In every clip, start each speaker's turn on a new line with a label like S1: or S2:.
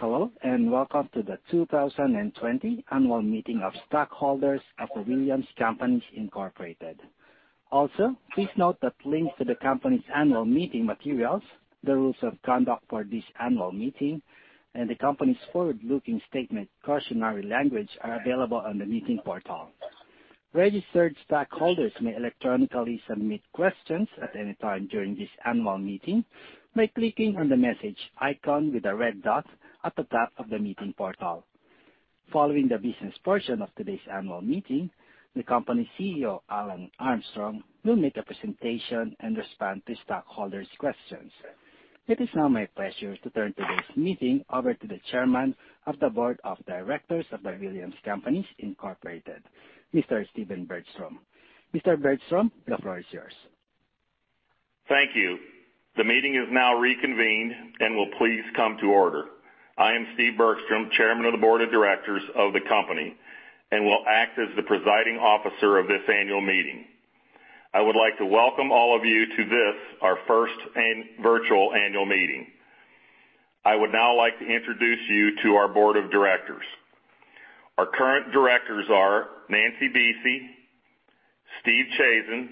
S1: Hello, welcome to the 2020 annual meeting of stockholders of The Williams Companies, Incorporated. Please note that links to the company's annual meeting materials, the rules of conduct for this annual meeting, and the company's forward-looking statement cautionary language are available on the meeting portal. Registered stockholders may electronically submit questions at any time during this annual meeting by clicking on the message icon with a red dot at the top of the meeting portal. Following the business portion of today's annual meeting, the company CEO, Alan Armstrong, will make a presentation and respond to stockholders' questions. It is now my pleasure to turn today's meeting over to the Chairman of the Board of Directors of The Williams Companies, Incorporated, Mr. Stephen Bergstrom. Mr. Bergstrom, the floor is yours.
S2: Thank you. The meeting is now reconvened and will please come to order. I am Steve Bergstrom, Chairman of the Board of Directors of the company, and will act as the presiding officer of this annual meeting. I would like to welcome all of you to this, our first virtual annual meeting. I would now like to introduce you to our board of directors. Our current directors are Nancy Buese, Steve Chazen,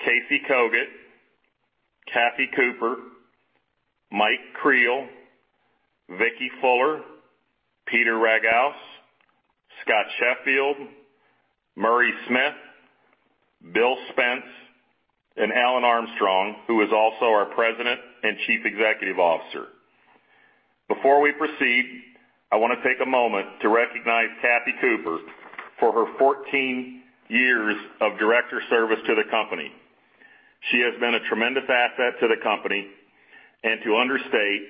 S2: Casey Cogut, Kathy Cooper, Mike Creel, Vicki Fuller, Peter Ragauss, Scott Sheffield, Murray Smith, Bill Spence, and Alan Armstrong, who is also our President and Chief Executive Officer. Before we proceed, I want to take a moment to recognize Kathy Cooper for her 14 years of director service to the company. She has been a tremendous asset to the company and, to understate,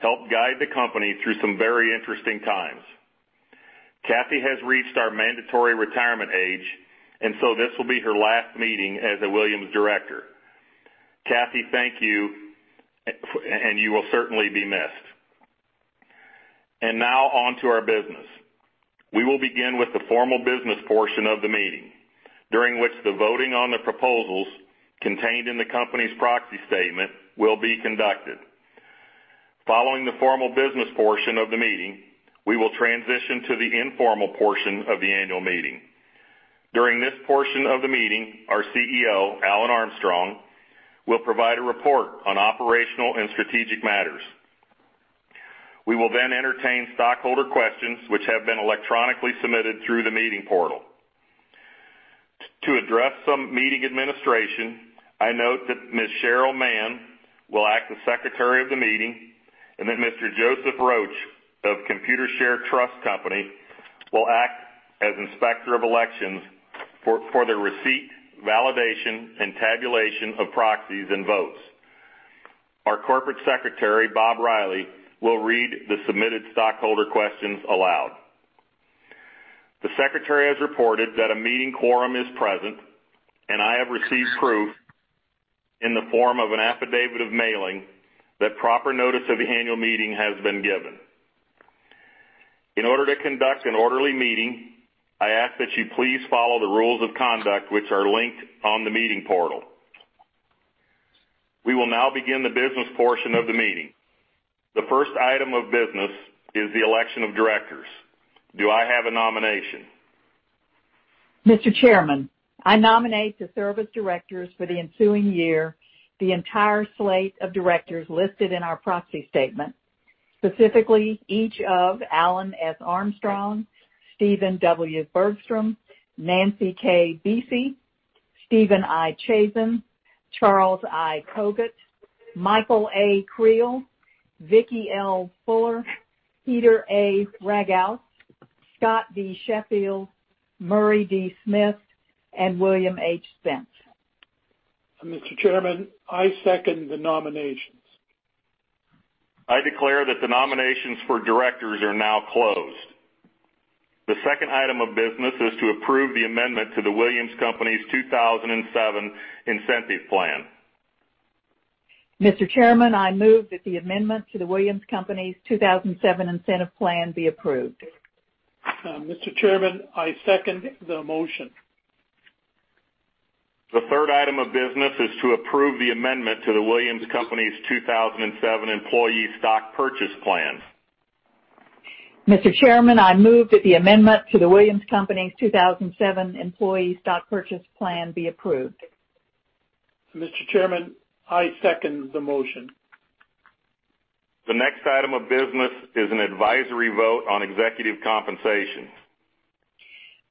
S2: helped guide the company through some very interesting times. Kathy has reached our mandatory retirement age. This will be her last meeting as a Williams director. Kathy, thank you. You will certainly be missed. Now on to our business. We will begin with the formal business portion of the meeting, during which the voting on the proposals contained in the company's proxy statement will be conducted. Following the formal business portion of the meeting, we will transition to the informal portion of the annual meeting. During this portion of the meeting, our CEO, Alan Armstrong, will provide a report on operational and strategic matters. We will entertain stockholder questions, which have been electronically submitted through the meeting portal. To address some meeting administration, I note that Ms. Cheryl Mann will act as Secretary of the meeting, and that Mr. Joseph Roach of Computershare Trust Company will act as Inspector of Elections for the receipt, validation, and tabulation of proxies and votes. Our Corporate Secretary, Bob Reilly, will read the submitted stockholder questions aloud. The Secretary has reported that a meeting quorum is present, and I have received proof in the form of an affidavit of mailing that proper notice of the annual meeting has been given. In order to conduct an orderly meeting, I ask that you please follow the rules of conduct, which are linked on the meeting portal. We will now begin the business portion of the meeting. The first item of business is the election of directors. Do I have a nomination?
S3: Mr. Chairman, I nominate to serve as directors for the ensuing year, the entire slate of directors listed in our proxy statement. Specifically, each of Alan S. Armstrong, Stephen W. Bergstrom, Nancy K. Buese, Stephen I. Chazen, Charles I. Cogut, Michael A. Creel, Vicki L. Fuller, Peter A. Ragauss, Scott D. Sheffield, Murray D. Smith, and William H. Spence.
S4: Mr. Chairman, I second the nominations.
S2: I declare that the nominations for directors are now closed. The second item of business is to approve the amendment to the Williams Companies' 2007 Incentive Plan.
S3: Mr. Chairman, I move that the amendment to The Williams Companies 2007 incentive plan be approved.
S4: Mr. Chairman, I second the motion.
S2: The third item of business is to approve the amendment to The Williams Companies 2007 Employee Stock Purchase Plan.
S3: Mr. Chairman, I move that the amendment to the Williams Companies 2007 Employee Stock Purchase Plan be approved.
S4: Mr. Chairman, I second the motion.
S2: The next item of business is an advisory vote on executive compensation.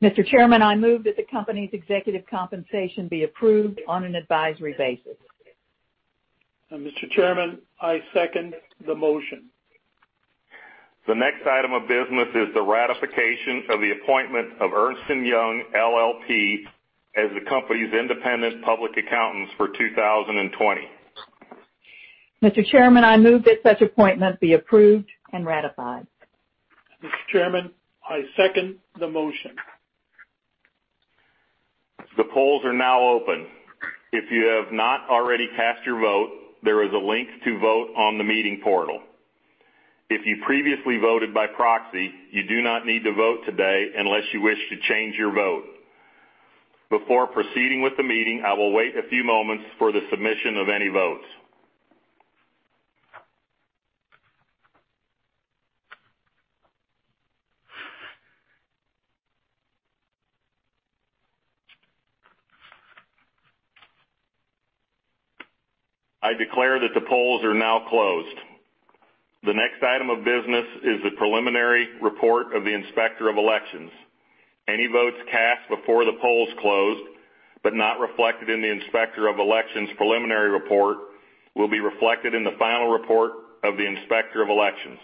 S3: Mr. Chairman, I move that the company's executive compensation be approved on an advisory basis.
S4: Mr. Chairman, I second the motion.
S2: The next item of business is the ratification of the appointment of Ernst & Young LLP as the company's independent public accountants for 2020.
S3: Mr. Chairman, I move that such appointment be approved and ratified.
S4: Mr. Chairman, I second the motion.
S2: The polls are now open. If you have not already cast your vote, there is a link to vote on the meeting portal. If you previously voted by proxy, you do not need to vote today unless you wish to change your vote. Before proceeding with the meeting, I will wait a few moments for the submission of any votes. I declare that the polls are now closed. The next item of business is the preliminary report of the Inspector of Elections. Any votes cast before the polls closed, but not reflected in the Inspector of Elections preliminary report, will be reflected in the final report of the Inspector of Elections.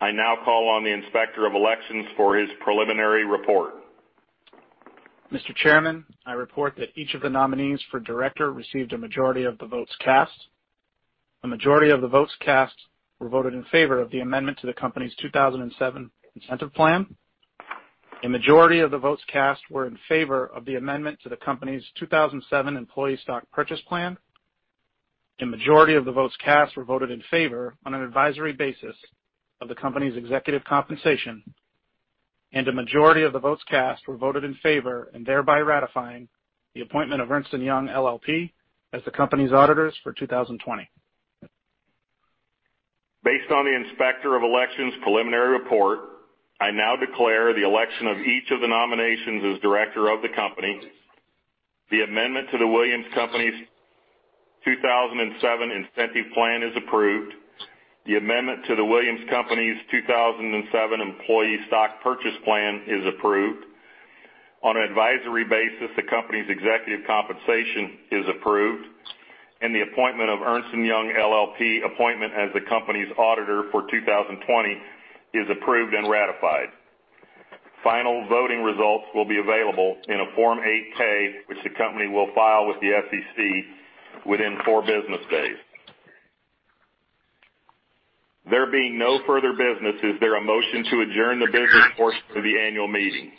S2: I now call on the Inspector of Elections for his preliminary report.
S5: Mr. Chairman, I report that each of the nominees for director received a majority of the votes cast. A majority of the votes cast were voted in favor of the amendment to the company's 2007 Incentive Plan. A majority of the votes cast were in favor of the amendment to the company's 2007 Employee Stock Purchase Plan. A majority of the votes cast were voted in favor on an advisory basis of the company's executive compensation, and a majority of the votes cast were voted in favor, and thereby ratifying the appointment of Ernst & Young LLP as the company's auditors for 2020.
S2: Based on the Inspector of Elections' preliminary report, I now declare the election of each of the nominations as director of the company. The amendment to The Williams Companies. 2007 Incentive Plan is approved. The amendment to The Williams Companies. 2007 Employee Stock Purchase Plan is approved. On an advisory basis, the company's executive compensation is approved, and the appointment of Ernst & Young LLP appointment as the company's auditor for 2020 is approved and ratified. Final voting results will be available in a Form 8-K, which the company will file with the SEC within four business days. There being no further business, is there a motion to adjourn the business portion of the annual meeting?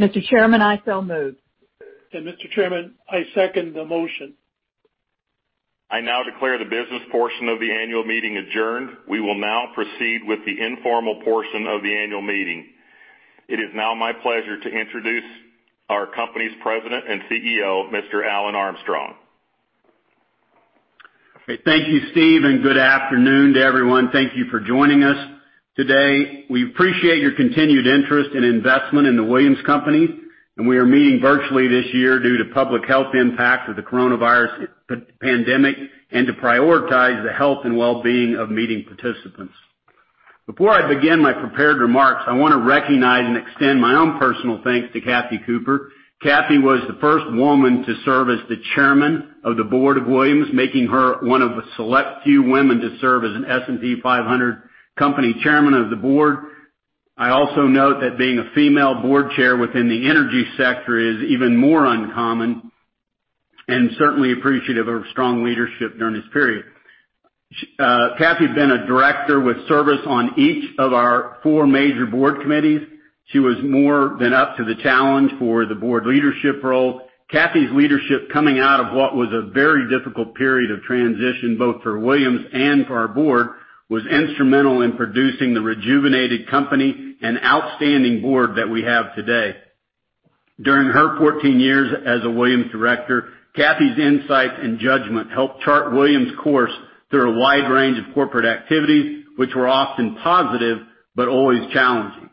S3: Mr. Chairman, I so move.
S4: Mr. Chairman, I second the motion.
S2: I now declare the business portion of the annual meeting adjourned. We will now proceed with the informal portion of the annual meeting. It is now my pleasure to introduce our company's President and CEO, Mr. Alan Armstrong.
S6: Hey. Thank you, Steve and good afternoon to everyone. Thank you for joining us today. We appreciate your continued interest and investment in The Williams Companies, and we are meeting virtually this year due to public health impact of the coronavirus pandemic, and to prioritize the health and well-being of meeting participants. Before I begin my prepared remarks, I want to recognize and extend my own personal thanks to Kathy Cooper. Kathy was the first woman to serve as the Chairman of the Board of Williams, making her one of the select few women to serve as an S&P 500 company chairman of the board. I also note that being a female board chair within the energy sector is even more uncommon, and certainly appreciative of her strong leadership during this period. Kathy has been a director with service on each of our four major board committees. She was more than up to the challenge for the board leadership role. Kathy's leadership coming out of what was a very difficult period of transition, both for Williams and for our board, was instrumental in producing the rejuvenated company and outstanding board that we have today. During her 14 years as a Williams director, Kathy's insights and judgment helped chart Williams' course through a wide range of corporate activities, which were often positive, but always challenging.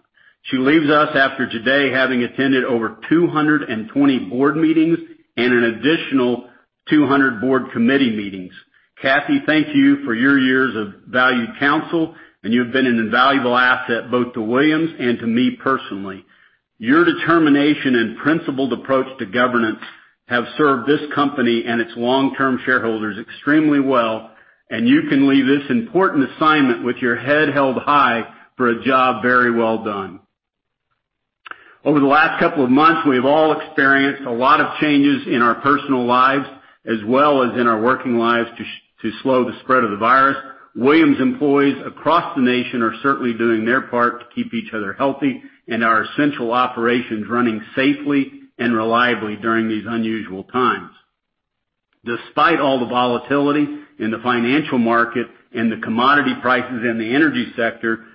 S6: She leaves us after today, having attended over 220 board meetings and an additional 200 board committee meetings. Kathy, thank you for your years of valued counsel, and you've been an invaluable asset both to Williams and to me personally. Your determination and principled approach to governance have served this company and its long-term shareholders extremely well, and you can leave this important assignment with your head held high for a job very well done. Over the last couple of months, we've all experienced a lot of changes in our personal lives, as well as in our working lives to slow the spread of the virus. Williams employees across the nation are certainly doing their part to keep each other healthy and our essential operations running safely and reliably during these unusual times. Despite all the volatility in the financial market and the commodity prices in the energy sector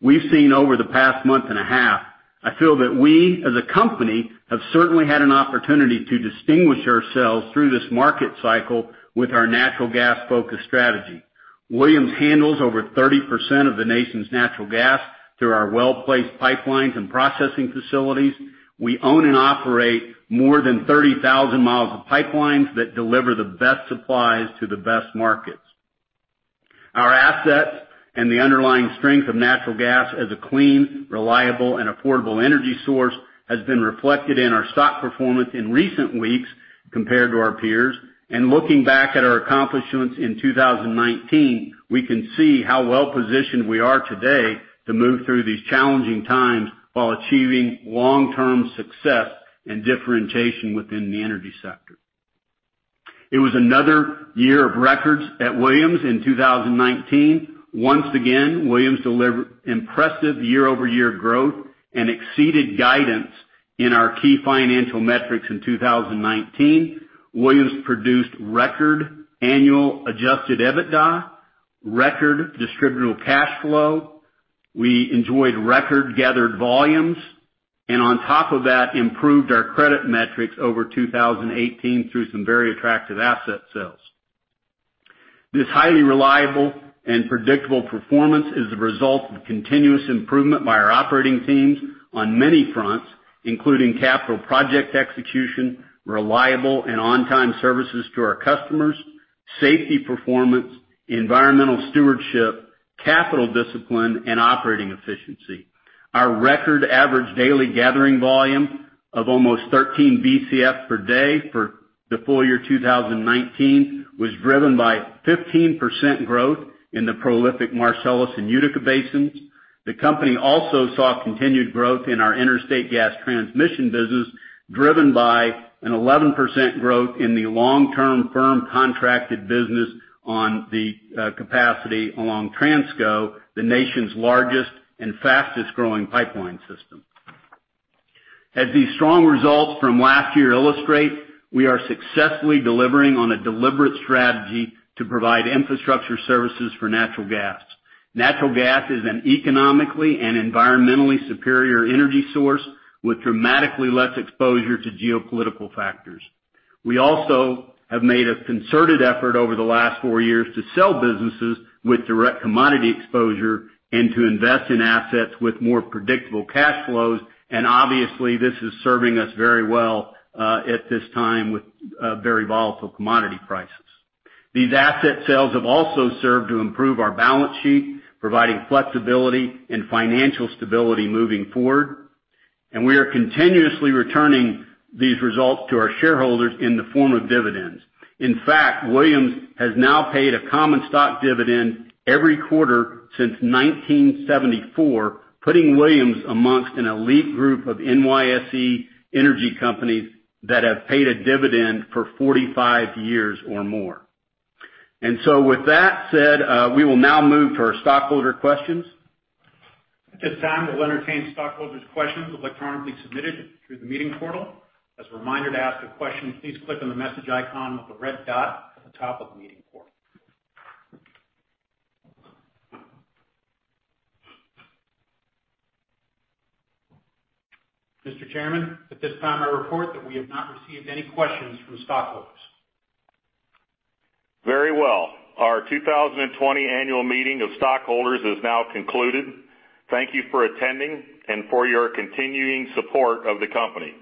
S6: we've seen over the past month and a half, I feel that we, as a company, have certainly had an opportunity to distinguish ourselves through this market cycle with our natural gas-focused strategy. Williams handles over 30% of the nation's natural gas through our well-placed pipelines and processing facilities. We own and operate more than 30,000 miles of pipelines that deliver the best supplies to the best markets. Our assets and the underlying strength of natural gas as a clean, reliable, and affordable energy source has been reflected in our stock performance in recent weeks compared to our peers. Looking back at our accomplishments in 2019, we can see how well-positioned we are today to move through these challenging times while achieving long-term success and differentiation within the energy sector. It was another year of records at Williams in 2019. Once again, Williams delivered impressive year-over-year growth and exceeded guidance in our key financial metrics in 2019. Williams produced record annual Adjusted EBITDA, record distributable cash flow. We enjoyed record gathered volumes, and on top of that, improved our credit metrics over 2018 through some very attractive asset sales. This highly reliable and predictable performance is the result of continuous improvement by our operating teams on many fronts, including capital project execution, reliable and on-time services to our customers, safety performance, environmental stewardship, capital discipline, and operating efficiency. Our record average daily gathering volume of almost 13 Bcf per day for the full year 2019 was driven by 15% growth in the prolific Marcellus and Utica basins. The company also saw continued growth in our interstate gas transmission business, driven by an 11% growth in the long-term firm contracted business on the capacity along Transco, the nation's largest and fastest-growing pipeline system. As these strong results from last year illustrate, we are successfully delivering on a deliberate strategy to provide infrastructure services for natural gas. Natural gas is an economically and environmentally superior energy source with dramatically less exposure to geopolitical factors. We also have made a concerted effort over the last four years to sell businesses with direct commodity exposure and to invest in assets with more predictable cash flows. Obviously, this is serving us very well at this time with very volatile commodity prices. These asset sales have also served to improve our balance sheet, providing flexibility and financial stability moving forward, and we are continuously returning these results to our shareholders in the form of dividends. In fact, Williams has now paid a common stock dividend every quarter since 1974, putting Williams amongst an elite group of NYSE energy companies that have paid a dividend for 45 years or more. With that said, we will now move to our stockholder questions.
S4: At this time, we'll entertain stockholders' questions electronically submitted through the meeting portal. As a reminder, to ask a question, please click on the message icon with the red dot at the top of the meeting portal. Mr. Chairman, at this time, I report that we have not received any questions from stockholders.
S2: Very well. Our 2020 annual meeting of stockholders is now concluded. Thank you for attending and for your continuing support of the company.